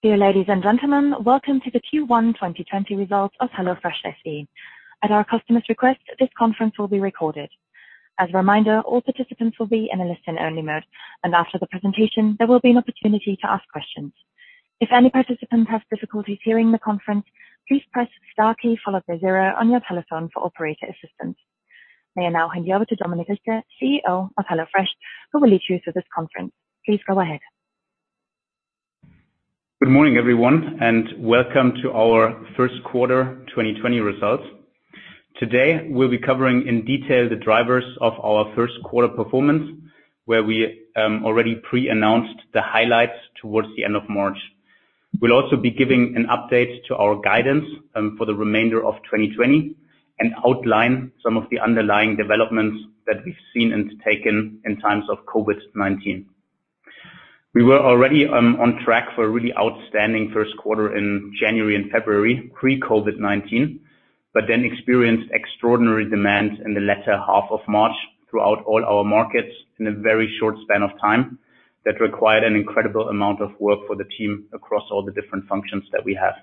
Dear ladies and gentlemen, welcome to the Q1 2020 results of HelloFresh SE. At our customers' request, this conference will be recorded. As a reminder, all participants will be in a listen-only mode, and after the presentation, there will be an opportunity to ask questions. If any participants have difficulties hearing the conference, please press star key followed by zero on your telephone for operator assistance. May I now hand you over to Dominik Richter, CEO of HelloFresh, who will lead you through this conference. Please go ahead. Good morning, everyone, and welcome to our first quarter 2020 results. Today, we'll be covering in detail the drivers of our first quarter performance, where we already pre-announced the highlights towards the end of March. We'll also be giving an update to our guidance for the remainder of 2020 and outline some of the underlying developments that we've seen and taken in times of COVID-19. We were already on track for a really outstanding first quarter in January and February, pre-COVID-19, but then experienced extraordinary demand in the latter half of March throughout all our markets in a very short span of time that required an incredible amount of work for the team across all the different functions that we have.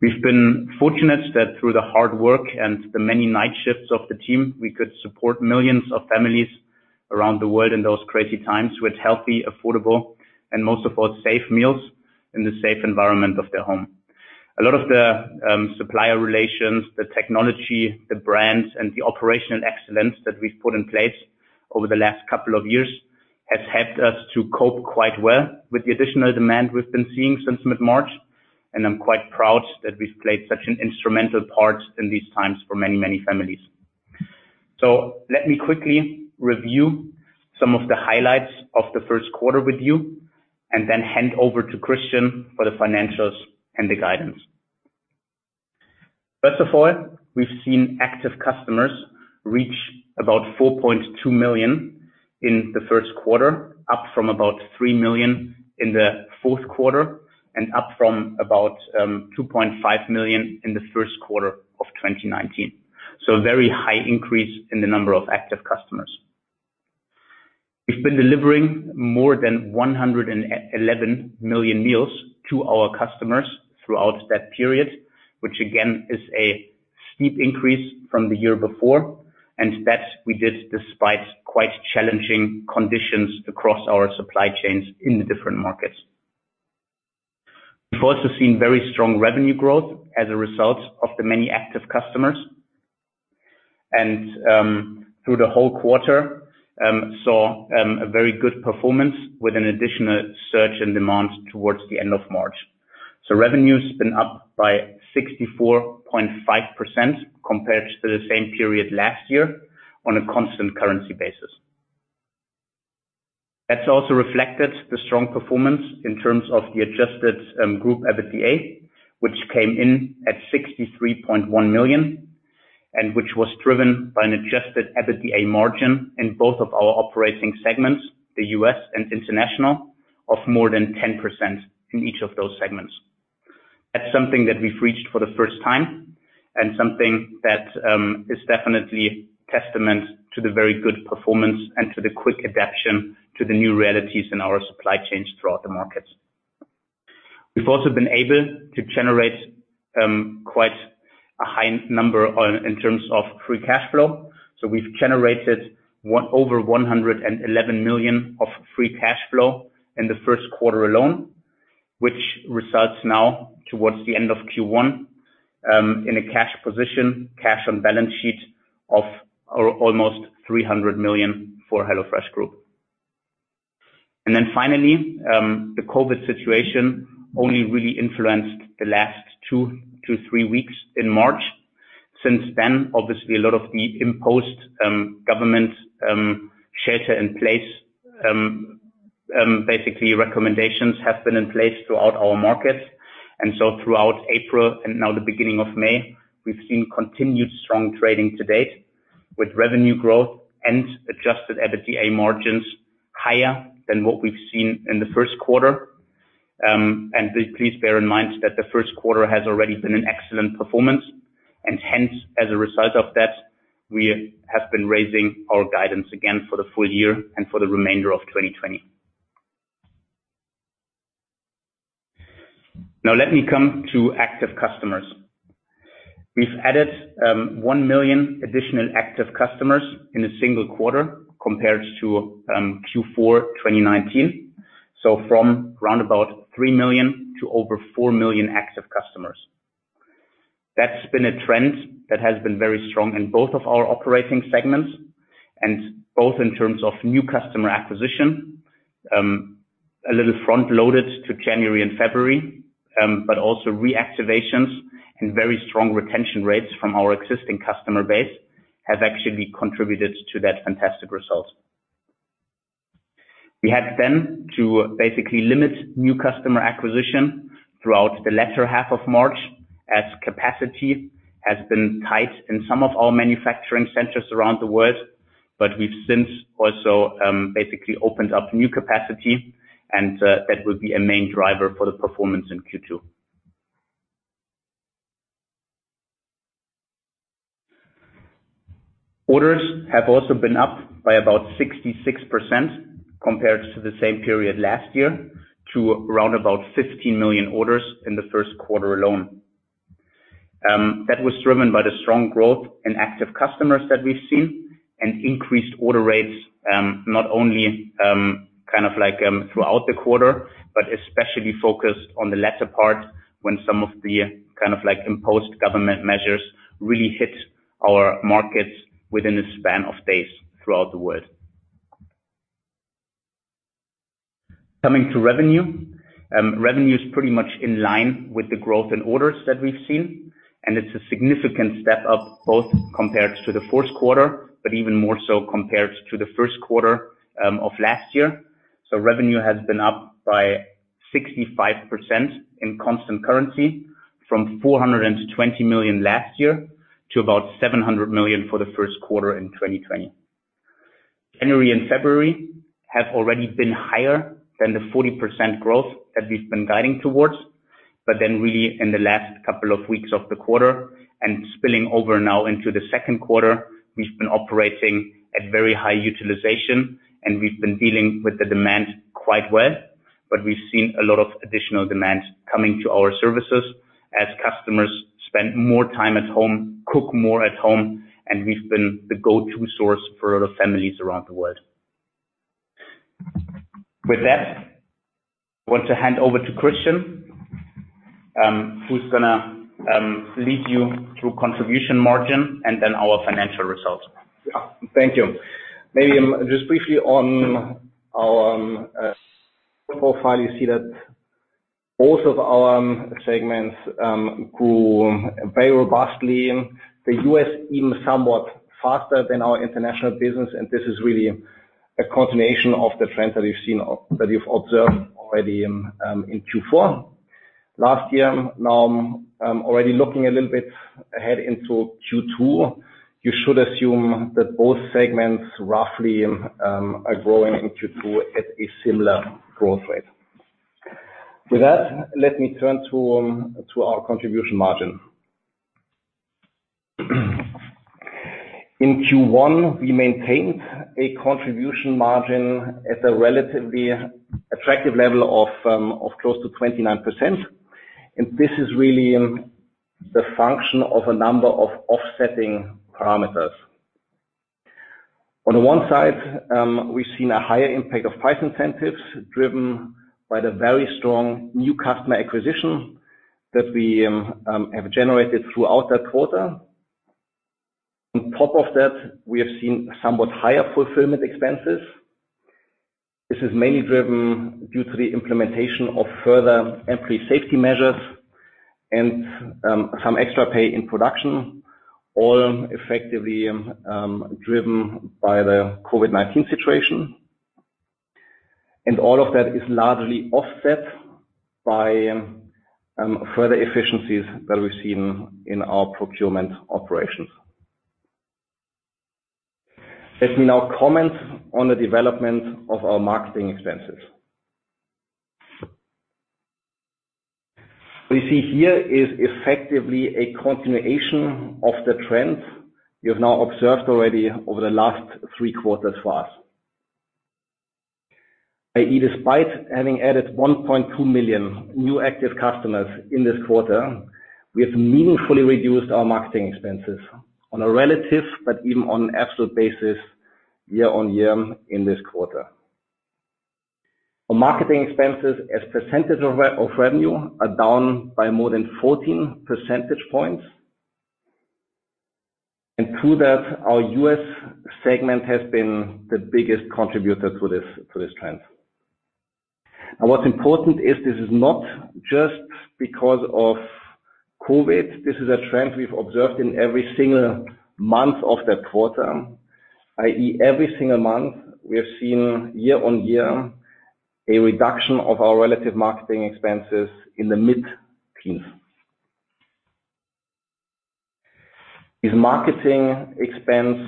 We've been fortunate that through the hard work and the many night shifts of the team, we could support millions of families around the world in those crazy times with healthy, affordable, and most of all, safe meals in the safe environment of their home. A lot of the supplier relations, the technology, the brands, and the operational excellence that we've put in place over the last couple of years has helped us to cope quite well with the additional demand we've been seeing since mid-March, and I'm quite proud that we've played such an instrumental part in these times for many, many families. Let me quickly review some of the highlights of the first quarter with you, and then hand over to Christian for the financials and the guidance. First of all, we've seen active customers reach about 4.2 million in the first quarter, up from about 3 million in the fourth quarter, and up from about 2.5 million in the first quarter of 2019. A very high increase in the number of active customers. We've been delivering more than 111 million meals to our customers throughout that period, which again is a steep increase from the year before, and that we did despite quite challenging conditions across our supply chains in the different markets. We've also seen very strong revenue growth as a result of the many active customers, and through the whole quarter, saw a very good performance with an additional surge in demand towards the end of March. Revenue has been up by 64.5% compared to the same period last year on a constant currency basis. That's also reflected the strong performance in terms of the adjusted group EBITDA, which came in at 63.1 million and which was driven by an adjusted EBITDA margin in both of our operating segments, the U.S. and international, of more than 10% in each of those segments. That's something that we've reached for the first time and something that is definitely testament to the very good performance and to the quick adaption to the new realities in our supply chains throughout the markets. We've also been able to generate quite a high number in terms of free cash flow. We've generated over 111 million of free cash flow in the first quarter alone, which results now towards the end of Q1 in a cash position, cash on the balance sheet of almost 300 million for HelloFresh Group. Finally, the COVID-19 situation only really influenced the last two to three weeks in March. Since then, obviously a lot of the imposed government shelter-in-place basically recommendations have been in place throughout our markets. Throughout April and now the beginning of May, we've seen continued strong trading to date with revenue growth and adjusted EBITDA margins higher than what we've seen in the first quarter. Please bear in mind that the first quarter has already been an excellent performance, and hence, as a result of that, we have been raising our guidance again for the full year and for the remainder of 2020. Let me come to active customers. We've added 1 million additional active customers in a single quarter compared to Q4 2019. From around about 3 million to over 4 million active customers. That's been a trend that has been very strong in both of our operating segments and both in terms of new customer acquisition, a little front-loaded to January and February, but also reactivations and very strong retention rates from our existing customer base have actually contributed to that fantastic result. We had to basically limit new customer acquisition throughout the latter half of March as capacity has been tight in some of our manufacturing centers around the world, but we've since also basically opened up new capacity, and that will be a main driver for the performance in Q2. Orders have also been up by about 66% compared to the same period last year, to around about 15 million orders in the first quarter alone. That was driven by the strong growth in active customers that we've seen and increased order rates, not only throughout the quarter, but especially focused on the latter part, when some of the imposed government measures really hit our markets within a span of days throughout the world. Coming to revenue. Revenue is pretty much in line with the growth in orders that we've seen, and it's a significant step up both compared to the fourth quarter, but even more so compared to the first quarter of last year. Revenue has been up by 65% in constant currency from 420 million last year to about 700 million for the first quarter in 2020. January and February have already been higher than the 40% growth that we've been guiding towards. Really in the last couple of weeks of the quarter and spilling over now into the second quarter, we've been operating at very high utilization and we've been dealing with the demand quite well. We've seen a lot of additional demand coming to our services as customers spend more time at home, cook more at home, and we've been the go-to source for a lot of families around the world. With that, I want to hand over to Christian, who's going to lead you through contribution margin and then our financial results. Yeah. Thank you. Maybe just briefly on our profile, you see that both of our segments grew very robustly. The U.S. even somewhat faster than our international business. This is really a continuation of the trend that we've observed already in Q4 last year. Now, already looking a little bit ahead into Q2, you should assume that both segments roughly are growing in Q2 at a similar growth rate. With that, let me turn to our contribution margin. In Q1, we maintained a contribution margin at the relatively attractive level of close to 29%. This is really the function of a number of offsetting parameters. On the one side, we've seen a higher impact of price incentives driven by the very strong new customer acquisition that we have generated throughout that quarter. On top of that, we have seen somewhat higher fulfillment expenses. This is mainly driven due to the implementation of further employee safety measures and some extra pay in production, all effectively driven by the COVID-19 situation. All of that is largely offset by further efficiencies that we've seen in our procurement operations. Let me now comment on the development of our marketing expenses. What you see here is effectively a continuation of the trends we have now observed already over the last three quarters for us, i.e., despite having added 1.2 million new active customers in this quarter, we have meaningfully reduced our marketing expenses on a relative but even on an absolute basis year-on-year in this quarter. Our marketing expenses as percentage of revenue are down by more than 14 percentage points, and to that, our U.S. segment has been the biggest contributor to this trend. What's important is this is not just because of COVID-19. This is a trend we've observed in every single month of that quarter, i.e., every single month, we have seen year-on-year a reduction of our relative marketing expenses in the mid-teens. This marketing expense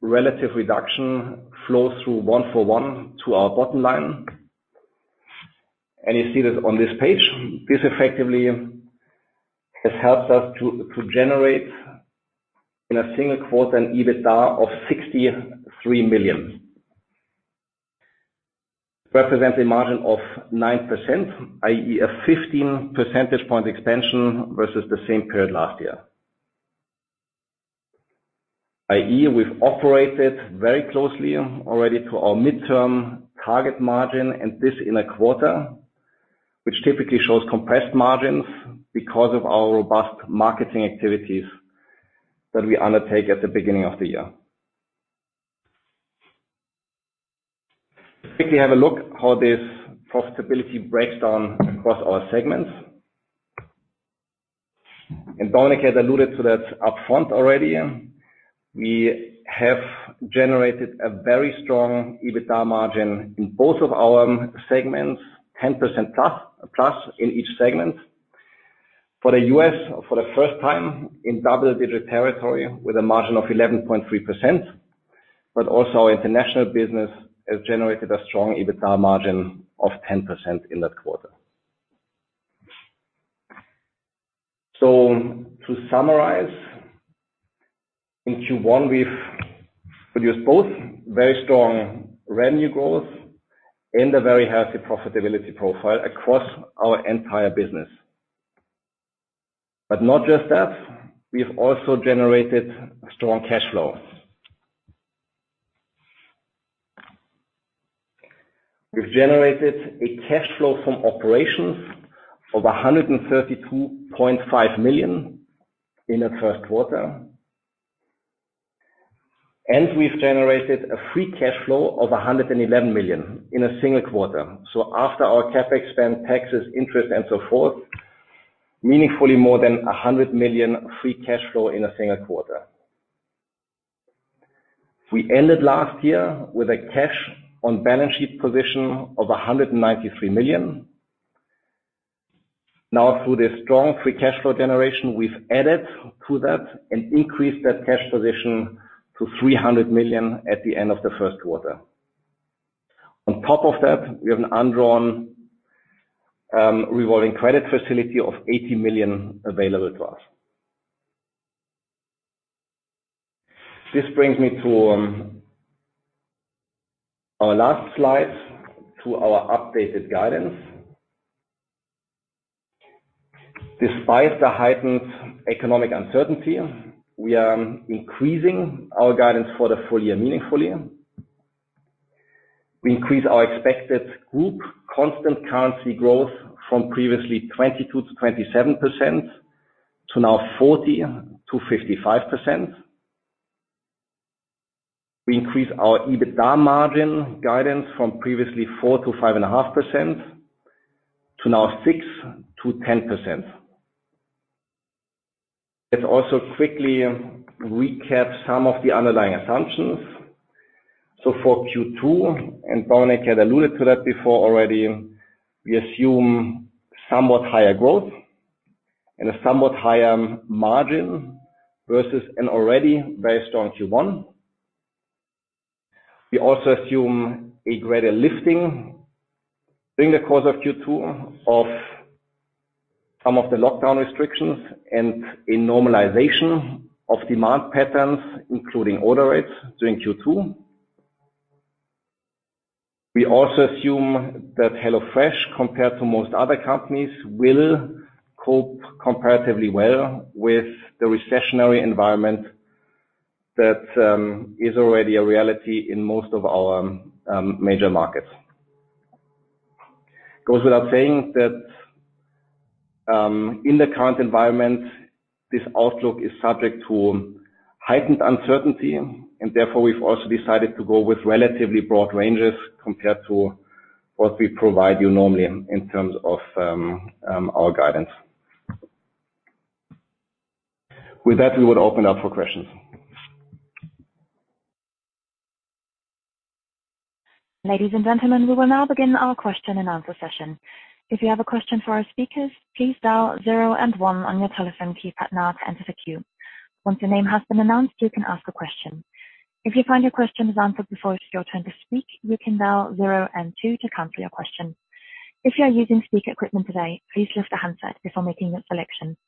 relative reduction flows through one for one to our bottom line, you see that on this page. This effectively has helped us to generate in a single quarter an EBITDA of 63 million. Represents a margin of 9%, i.e., a 15 percentage point expansion versus the same period last year, i.e., we've operated very closely already to our midterm target margin and this in a quarter, which typically shows compressed margins because of our robust marketing activities that we undertake at the beginning of the year. Quickly have a look how this profitability breaks down across our segments. Dominik has alluded to that up front already. We have generated a very strong EBITDA margin in both of our segments, 10%+ in each segment. For the U.S., for the first time in double-digit territory with a margin of 11.3%, but also our international business has generated a strong EBITDA margin of 10% in that quarter. To summarize, in Q1, we've produced both very strong revenue growth and a very healthy profitability profile across our entire business. Not just that, we've also generated strong cash flow. We've generated a cash flow from operations of 132.5 million in the first quarter, and we've generated a free cash flow of 111 million in a single quarter. After our CapEx spend, taxes, interest, and so forth, meaningfully more than 100 million free cash flow in a single quarter. We ended last year with a cash on balance sheet position of 193 million. Through the strong free cash flow generation, we've added to that and increased that cash position to 300 million at the end of the first quarter. On top of that, we have an undrawn revolving credit facility of 80 million available to us. This brings me to our last slide to our updated guidance. Despite the heightened economic uncertainty, we are increasing our guidance for the full year meaningfully. We increase our expected group constant currency growth from previously 22%-27%, to now 40%-55%. We increase our EBITDA margin guidance from previously 4%-5.5%, to now 6%-10%. Let's also quickly recap some of the underlying assumptions. For Q2, and Dominic had alluded to that before already, we assume somewhat higher growth and a somewhat higher margin versus an already very strong Q1. We also assume a greater lifting during the course of Q2 of some of the lockdown restrictions, and a normalization of demand patterns, including order rates during Q2. We also assume that HelloFresh, compared to most other companies, will cope comparatively well with the recessionary environment that is already a reality in most of our major markets. It goes without saying that, in the current environment, this outlook is subject to heightened uncertainty, and therefore we've also decided to go with relatively broad ranges compared to what we provide you normally in terms of our guidance. With that, we would open up for questions. Ladies and gentlemen, we will now begin our question and answer session. If you have a question for our speakers, please dial zero and one on your telephone keypad now to enter the queue. Once your name has been announced, you can ask a question. If you find your question is answered before it is your turn to speak, you can dial zero and two to cancel your question. If you are using speaker equipment today, please lift the handset before making that selection.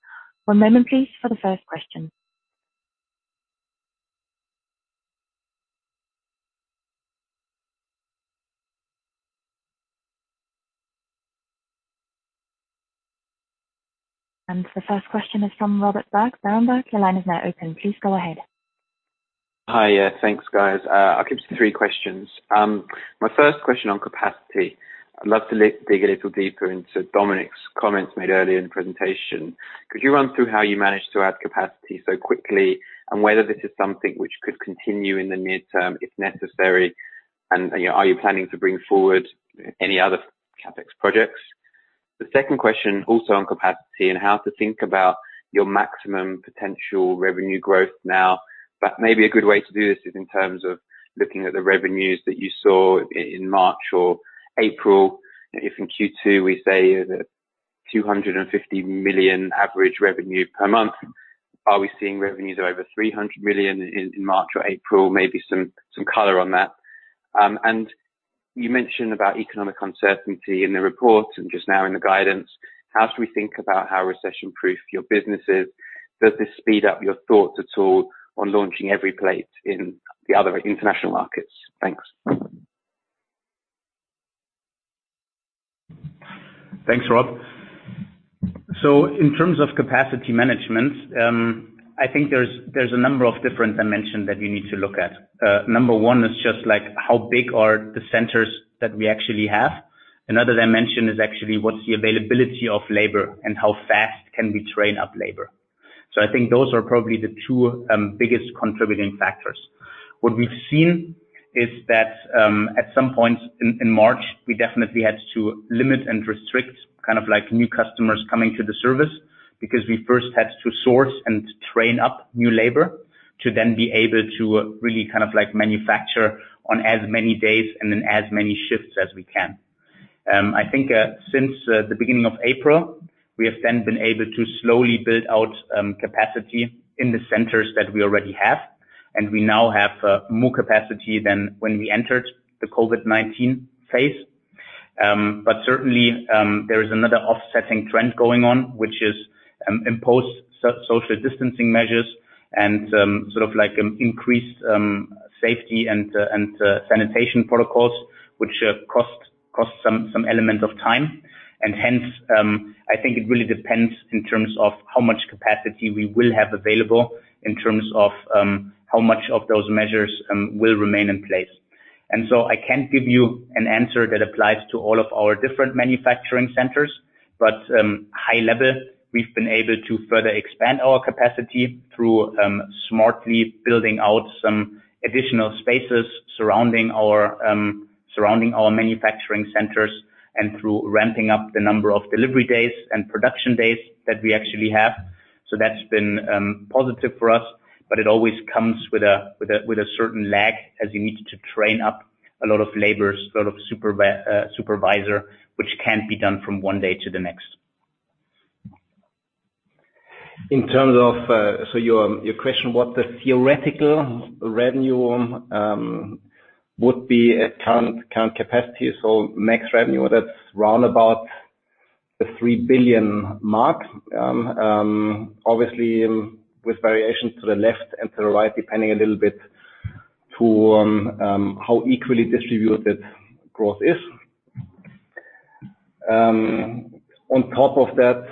One moment please for the first question. The first question is from Robert Berg. Robert, your line is now open. Please go ahead. Hi. Yeah, thanks guys. I'll keep it to three questions. My first question on capacity. I'd love to dig a little deeper into Dominik's comments made earlier in the presentation. Could you run through how you managed to add capacity so quickly and whether this is something which could continue in the near term if necessary? Are you planning to bring forward any other CapEx projects? The second question also on capacity and how to think about your maximum potential revenue growth now. Maybe a good way to do this is in terms of looking at the revenues that you saw in March or April. If in Q2 we say that 250 million average revenue per month, are we seeing revenues of over 300 million in March or April? Maybe some color on that. You mentioned about economic uncertainty in the report and just now in the guidance. How should we think about how recession-proof your business is? Does this speed up your thoughts at all on launching EveryPlate in the other international markets? Thanks. Thanks, Rob. In terms of capacity management, I think there's a number of different dimensions that we need to look at. Number one is just how big are the centers that we actually have. Another dimension is actually what's the availability of labor and how fast can we train up labor? I think those are probably the two biggest contributing factors. What we've seen is that, at some point in March, we definitely had to limit and restrict new customers coming to the service because we first had to source and train up new labor to then be able to really manufacture on as many days and in as many shifts as we can. I think, since the beginning of April, we have then been able to slowly build out capacity in the centers that we already have, and we now have more capacity than when we ente red the COVID-19 phase. Certainly, there is another offsetting trend going on, which is imposed social distancing measures and increased safety and sanitation protocols, which cost some element of time. Hence, I think it really depends in terms of how much capacity we will have available in terms of how much of those measures will remain in place. I can't give you an answer that applies to all of our different manufacturing centers, but high level, we've been able to further expand our capacity through smartly building out some additional spaces surrounding our manufacturing centers and through ramping up the number of delivery days and production days that we actually have. That's been positive for us, but it always comes with a certain lag as you need to train up a lot of labors, a lot of supervisors, which can't be done from one day to the next. In terms of your question, what the theoretical revenue would be at current capacity, so max revenue, that's round about the 3 billion mark. Obviously, with variations to the left and to the right, depending a little bit to how equally distributed growth is. On top of that,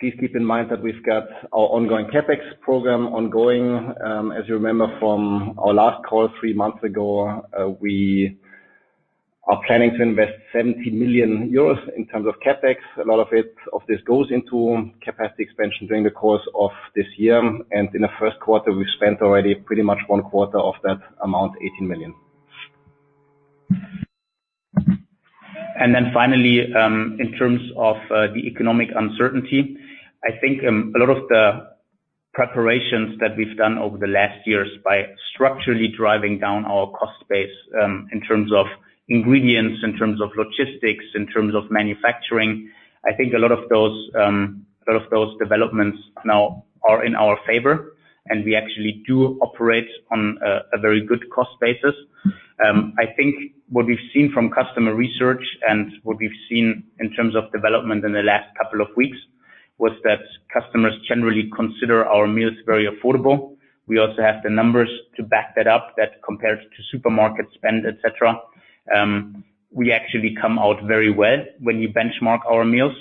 please keep in mind that we've got our ongoing CapEx program ongoing. As you remember from our last call three months ago, we are planning to invest 70 million euros in terms of CapEx. A lot of this goes into capacity expansion during the course of this year. In the first quarter, we've spent already pretty much one quarter of that amount, 18 million. Finally, in terms of the economic uncertainty, I think a lot of the preparations that we've done over the last years by structurally driving down our cost base in terms of ingredients, in terms of logistics, in terms of manufacturing, I think a lot of those developments now are in our favor, and we actually do operate on a very good cost basis. I think what we've seen from customer research and what we've seen in terms of development in the last couple of weeks was that customers generally consider our meals very affordable. We also have the numbers to back that up that compares to supermarket spend, et cetera. We actually come out very well when you benchmark our meals.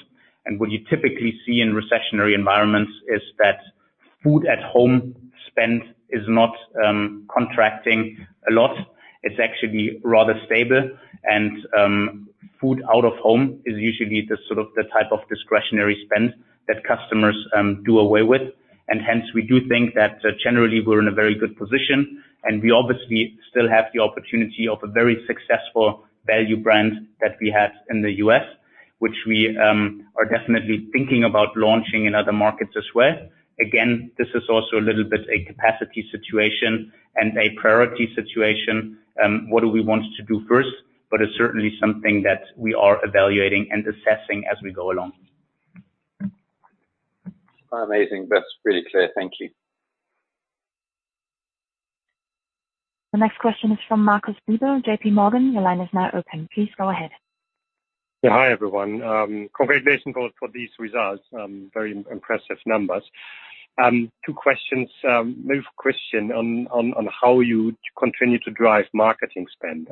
And what you typically see in recessionary environments is that food at home spend is not contracting a lot. It's actually rather stable. Food out of home is usually the type of discretionary spend that customers do away with. Hence, we do think that generally we're in a very good position, and we obviously still have the opportunity of a very successful value brand that we have in the U.S., which we are definitely thinking about launching in other markets as well. Again, this is also a little bit a capacity situation and a priority situation. What do we want to do first? It's certainly something that we are evaluating and assessing as we go along. Amazing. That's really clear. Thank you. The next question is from Marcus Diebel, J.P. Morgan. Your line is now open. Please go ahead. Hi, everyone. Congratulations for these results. Very impressive numbers. Two questions. First question on how you continue to drive marketing spend.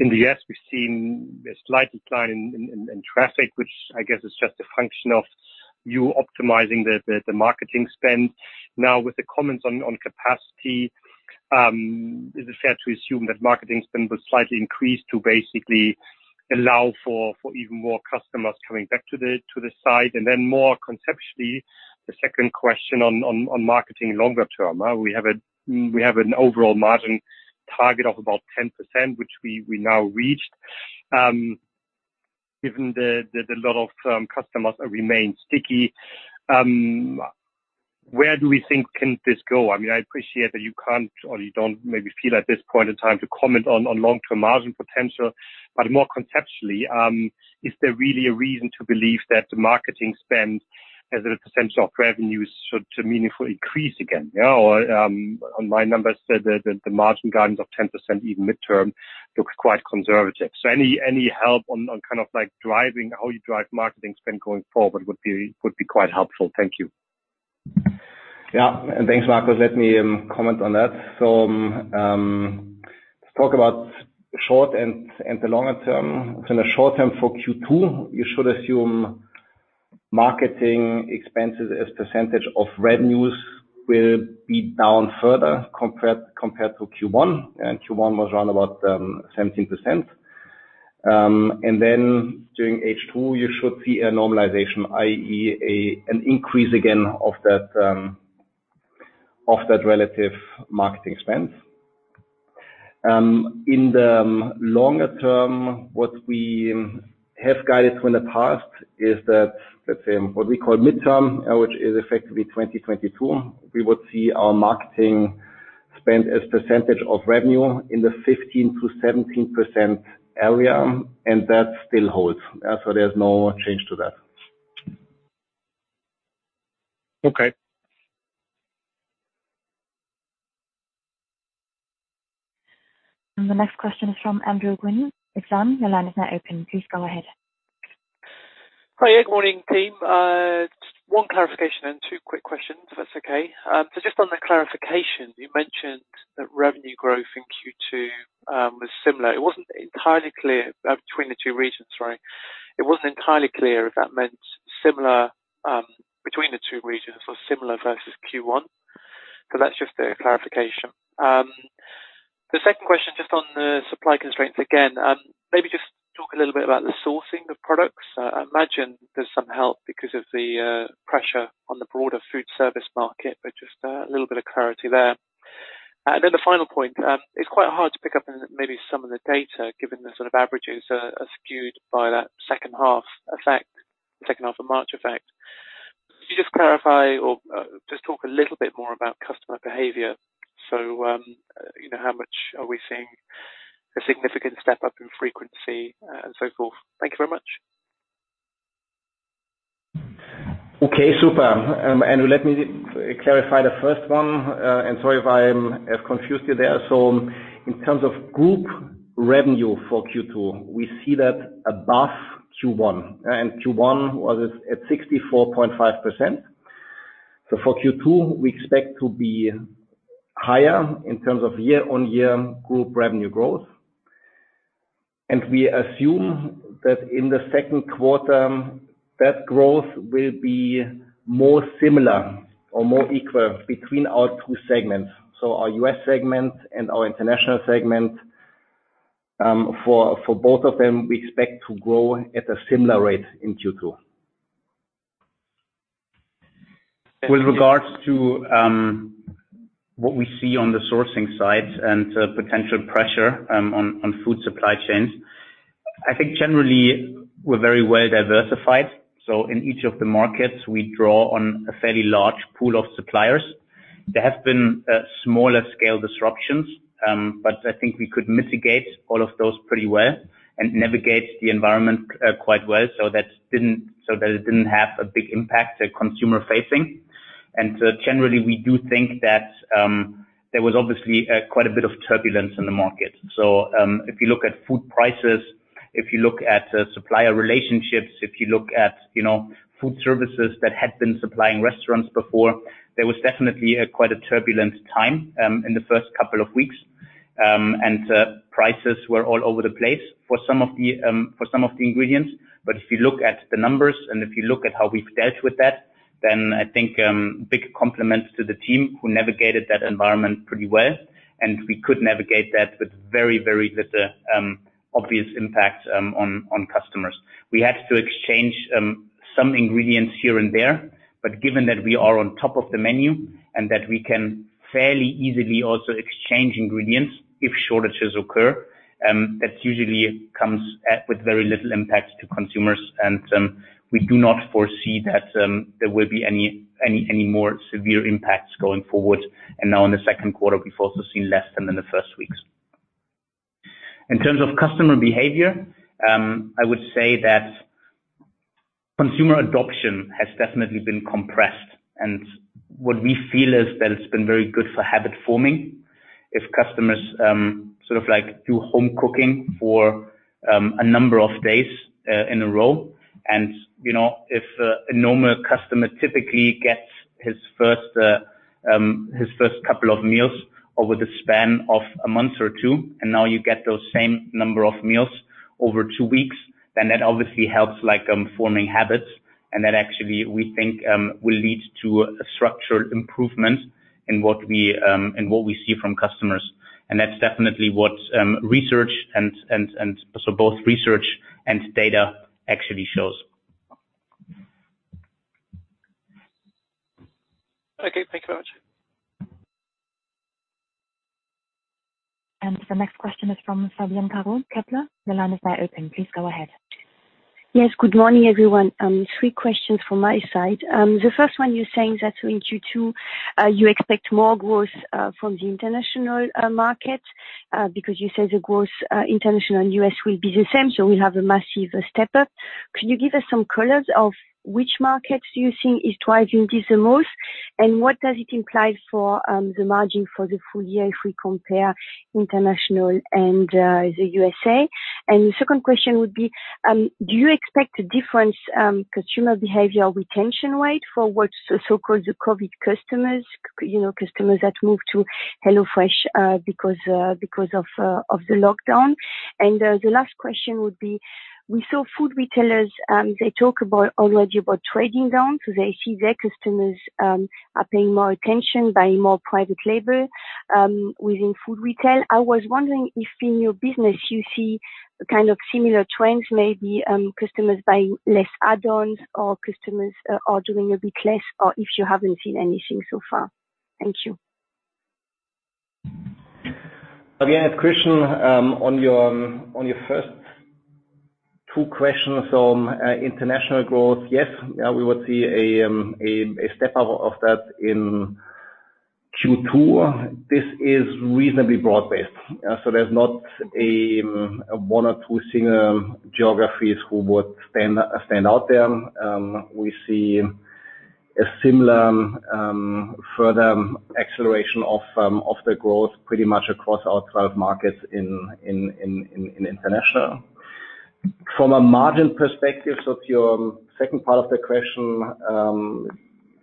In the U.S., we've seen a slight decline in traffic, which I guess is just a function of you optimizing the marketing spend. With the comments on capacity, is it fair to assume that marketing spend will slightly increase to basically allow for even more customers coming back to the site? More conceptually, the second question on marketing longer term. We have an overall margin target of about 10%, which we now reached. Given that a lot of customers remain sticky, where do we think can this go? I appreciate that you can't or you don't maybe feel at this point in time to comment on long-term margin potential. More conceptually, is there really a reason to believe that the marketing spend as a percentage of revenues should meaningfully increase again? My numbers said that the margin guidance of 10%, even mid-term, looks quite conservative. Any help on how you drive marketing spend going forward would be quite helpful. Thank you. Yeah. Thanks, Marcus. Let me comment on that. Let's talk about short and the longer term. In the short term for Q2, you should assume marketing expenses as percentage of revenues will be down further compared to Q1. Q1 was around about 17%. During H2, you should see a normalization, i.e., an increase again of that relative marketing spend. In the longer term, what we have guided to in the past is that, let's say, what we call midterm, which is effectively 2022, we would see our marketing spend as percentage of revenue in the 15%-17% area, that still holds. There's no change to that. Okay. The next question is from Andrew Ross of Barclays. Your line is now open. Please go ahead. Hi. Good morning, team. Just one clarification and two quick questions, if that's okay. Just on the clarification, you mentioned that revenue growth in Q2 was similar. It wasn't entirely clear between the two regions. It wasn't entirely clear if that meant similar between the two regions or similar versus Q1, so that's just a clarification. The second question, just on the supply constraints again, maybe just talk a little bit about the sourcing of products. I imagine there's some help because of the pressure on the broader food service market, but just a little bit of clarity there. Then the final point. It's quite hard to pick up in maybe some of the data, given the sort of averages are skewed by that second half of March effect. Could you just clarify or just talk a little bit more about customer behavior? How much are we seeing a significant step up in frequency and so forth? Thank you very much. Okay, super. Andrew, let me clarify the first one, and sorry if I have confused you there. In terms of group revenue for Q2, we see that above Q1. Q1 was at 64.5%. For Q2, we expect to be higher in terms of year-on-year group revenue growth. We assume that in the second quarter, that growth will be more similar or more equal between our two segments. Our U.S. segment and our international segment, for both of them, we expect to grow at a similar rate in Q2. With regards to what we see on the sourcing side and potential pressure on food supply chains, I think generally we're very well diversified. In each of the markets, we draw on a fairly large pool of suppliers. There have been smaller scale disruptions. I think we could mitigate all of those pretty well and navigate the environment quite well so that it didn't have a big impact to consumer facing. Generally, we do think that there was obviously quite a bit of turbulence in the market. If you look at food prices, if you look at supplier relationships, if you look at food services that had been supplying restaurants before, there was definitely quite a turbulent time in the first couple of weeks. Prices were all over the place for some of the ingredients. If you look at the numbers and if you look at how we've dealt with that, I think big compliments to the team who navigated that environment pretty well, and we could navigate that with very little obvious impact on customers. We had to exchange some ingredients here and there, but given that we are on top of the menu and that we can fairly easily also exchange ingredients if shortages occur, that usually comes with very little impact to consumers. We do not foresee that there will be any more severe impacts going forward. Now in the second quarter, we've also seen less than in the first weeks. In terms of customer behavior, I would say that consumer adoption has definitely been compressed. What we feel is that it's been very good for habit forming. If customers sort of do home cooking for a number of days in a row, if a normal customer typically gets his first couple of meals over the span of a month or two, and now you get those same number of meals over two weeks, then that obviously helps forming habits. That actually, we think, will lead to a structural improvement in what we see from customers. That's definitely what both research and data actually shows. Okay, thank you very much. The next question is from Fabienne Caron, Kepler. The line is now open. Please go ahead. Yes, good morning, everyone. Three questions from my side. The first one you're saying that in Q2 you expect more growth from the international market. You said the growth international and U.S. will be the same, we have a massive step up. Could you give us some colors of which markets you think is driving this the most? What does it imply for the margin for the full year if we compare international and the U.S.? The second question would be, do you expect a different consumer behavior retention rate for what's so-called the COVID customers that moved to HelloFresh because of the lockdown? The last question would be, we saw food retailers, they talk already about trading down. They see their customers are paying more attention, buying more private label within food retail. I was wondering if in your business you see kind of similar trends, maybe customers buying less add-ons or customers ordering a bit less, or if you haven't seen anything so far. Thank you. Again, Fabienne, on your first two questions on international growth. We would see a step up of that in Q2. This is reasonably broad based. There's not one or two single geographies who would stand out there. We see a similar further acceleration of the growth pretty much across our 12 markets in international. From a margin perspective, so to your second part of the question,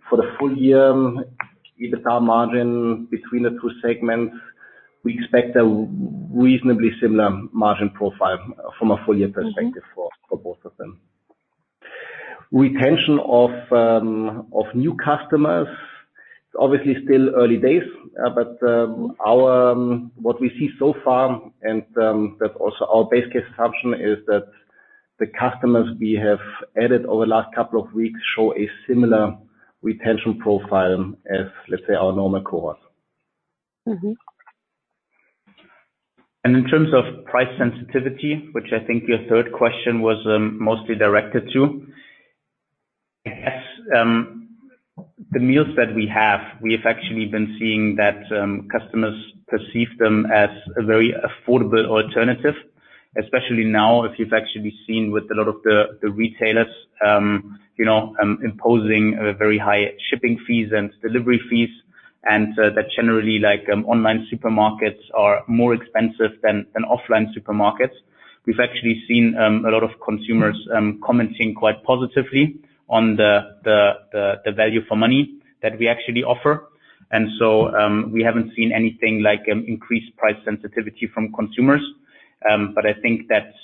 for the full year EBITDA margin between the two segments, we expect a reasonably similar margin profile from a full year perspective for both of them. Retention of new customers, it's obviously still early days. What we see so far, and that's also our base case assumption, is that the customers we have added over the last couple of weeks show a similar retention profile as, let's say, our normal cohort. In terms of price sensitivity, which I think your third question was mostly directed to, I guess the meals that we have actually been seeing that customers perceive them as a very affordable alternative, especially now if you've actually seen with a lot of the retailers imposing very high shipping fees and delivery fees, and that generally online supermarkets are more expensive than offline supermarkets. We've actually seen a lot of consumers commenting quite positively on the value for money that we actually offer. We haven't seen anything like increased price sensitivity from consumers. I think that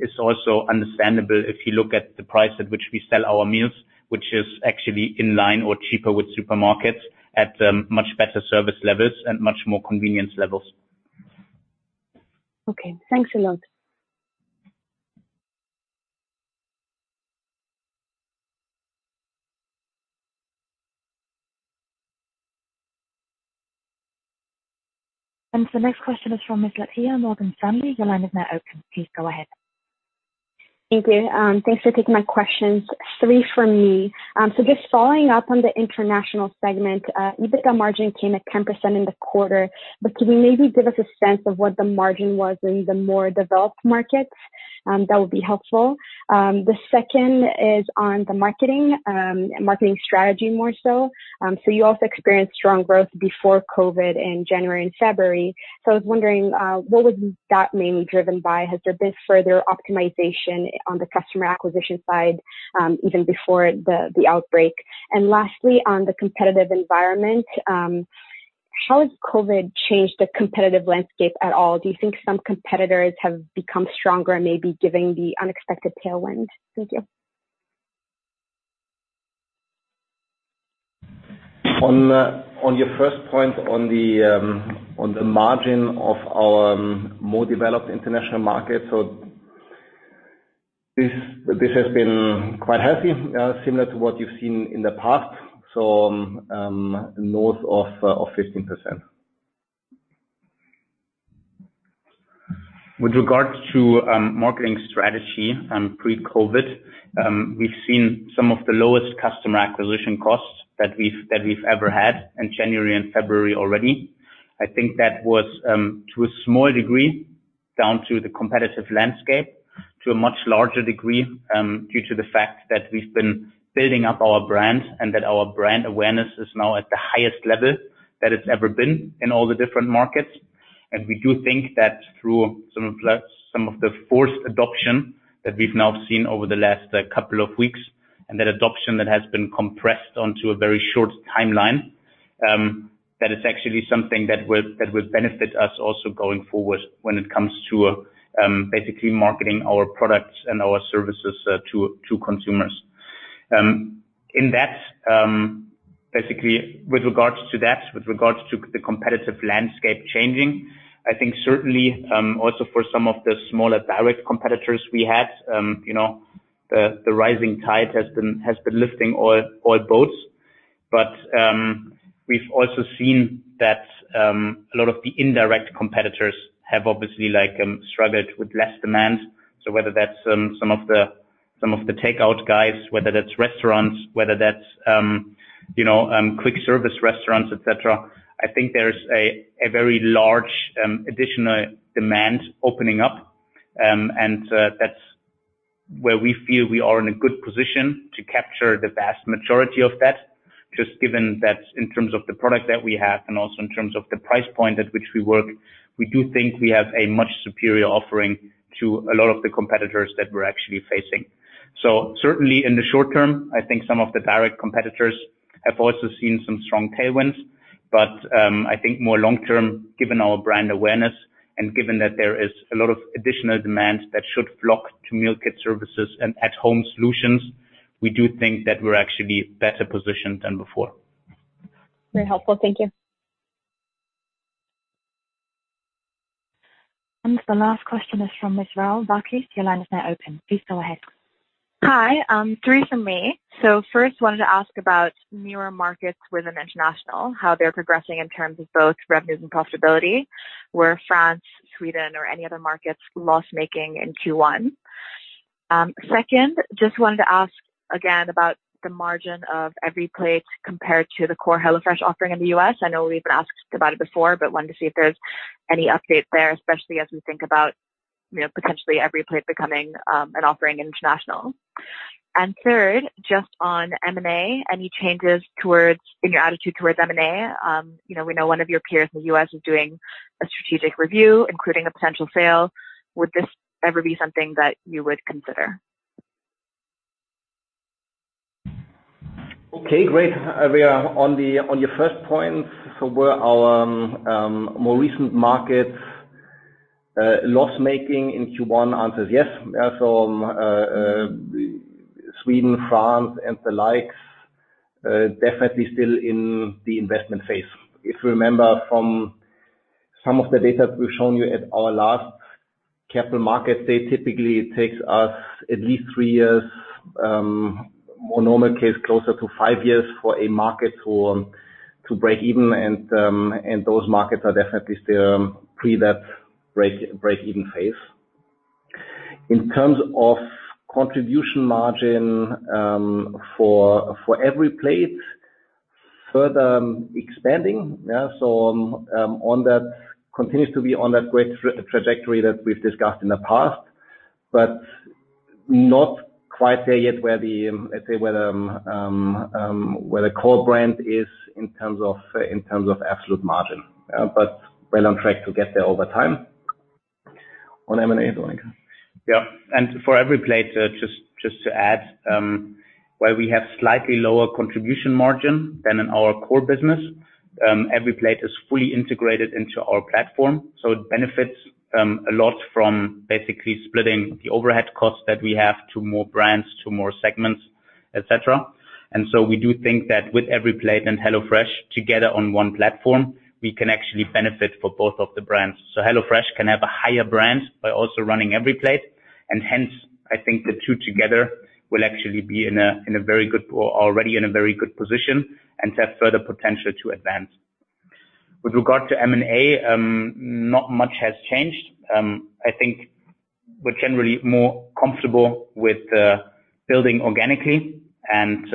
is also understandable if you look at the price at which we sell our meals, which is actually in line or cheaper with supermarkets at much better service levels and much more convenience levels. Okay. Thanks a lot. The next question is from Miss Leticia Morgan Stanley. Your line is now open. Please go ahead. Thank you. Thanks for taking my questions. Three from me. Just following up on the international segment, EBITDA margin came at 10% in the quarter. Could you maybe give us a sense of what the margin was in the more developed markets? That would be helpful. The second is on the marketing strategy, more so. You also experienced strong growth before COVID in January and February. I was wondering, what was that mainly driven by? Has there been further optimization on the customer acquisition side even before the outbreak? Lastly, on the competitive environment, how has COVID changed the competitive landscape at all? Do you think some competitors have become stronger and maybe given the unexpected tailwind? Thank you. On your first point on the margin of our more developed international markets, this has been quite healthy, similar to what you've seen in the past. North of 15%. With regards to marketing strategy pre-COVID, we've seen some of the lowest customer acquisition costs that we've ever had in January and February already. I think that was, to a small degree, down to the competitive landscape. To a much larger degree, due to the fact that we've been building up our brand and that our brand awareness is now at the highest level that it's ever been in all the different markets. We do think that through some of the forced adoption that we've now seen over the last couple of weeks, and that adoption that has been compressed onto a very short timeline, that is actually something that will benefit us also going forward when it comes to basically marketing our products and our services to consumers. In that, basically, with regards to that, with regards to the competitive landscape changing, I think certainly, also for some of the smaller direct competitors we had, the rising tide has been lifting all boats. We've also seen that a lot of the indirect competitors have obviously struggled with less demand. Whether that's some of the takeout guys, whether that's restaurants, whether that's quick service restaurants, et cetera. I think there is a very large additional demand opening up. That's where we feel we are in a good position to capture the vast majority of that, just given that in terms of the product that we have and also in terms of the price point at which we work, we do think we have a much superior offering to a lot of the competitors that we're actually facing. Certainly in the short term, I think some of the direct competitors have also seen some strong tailwinds. I think more long term, given our brand awareness and given that there is a lot of additional demand that should flock to meal kit services and at home solutions, we do think that we're actually better positioned than before. Very helpful. Thank you. The last question is from Miss Alain Valckx. Your line is now open. Please go ahead. Hi. Three from me. First, wanted to ask about newer markets within international, how they're progressing in terms of both revenues and profitability. Were France, Sweden, or any other markets loss-making in Q1? Second, just wanted to ask again about the margin of EveryPlate compared to the core HelloFresh offering in the U.S. I know we've asked about it before, wanted to see if there's any update there, especially as we think about potentially EveryPlate becoming an offering international. Third, just on M&A, any changes in your attitude towards M&A? We know one of your peers in the U.S. is doing a strategic review, including a potential sale. Would this ever be something that you would consider? Okay, great. On your first point, were our more recent markets loss-making in Q1? Answer is yes. Sweden, France, and the likes, definitely still in the investment phase. If you remember from some of the data we've shown you at our last capital market, typically it takes us at least three years, more normal case, closer to five years for a market to break even, and those markets are definitely still pre that break-even phase. In terms of contribution margin for EveryPlate, further expanding. Continues to be on that great trajectory that we've discussed in the past, but not quite there yet where the core brand is in terms of absolute margin. Well on track to get there over time. On M&A, Dominik. Yeah. For EveryPlate, just to add, where we have slightly lower contribution margin than in our core business, EveryPlate is fully integrated into our platform. It benefits a lot from basically splitting the overhead costs that we have to more brands, to more segments, et cetera. We do think that with EveryPlate and HelloFresh together on one platform, we can actually benefit for both of the brands. HelloFresh can have a higher brand by also running EveryPlate, and hence, I think the two together will actually be already in a very good position and have further potential to advance. With regard to M&A, not much has changed. I think we're generally more comfortable with building organically, and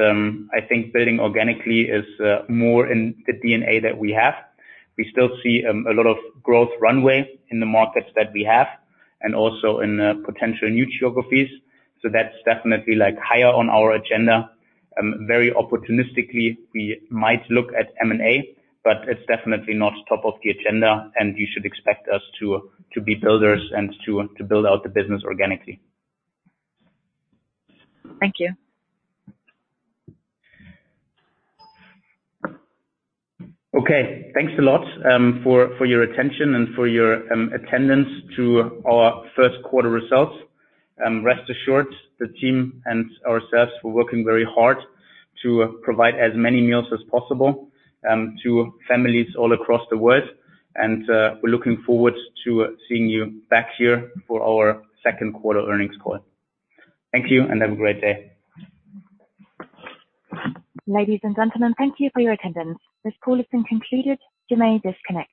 I think building organically is more in the DNA that we have. We still see a lot of growth runway in the markets that we have, and also in potential new geographies. That's definitely higher on our agenda. Very opportunistically, we might look at M&A, but it's definitely not top of the agenda, and you should expect us to be builders and to build out the business organically. Thank you. Okay. Thanks a lot for your attention and for your attendance to our first quarter results. Rest assured, the team and ourselves, we're working very hard to provide as many meals as possible to families all across the world. We're looking forward to seeing you back here for our second quarter earnings call. Thank you, and have a great day. Ladies and gentlemen, thank you for your attendance. This call has been concluded. You may disconnect.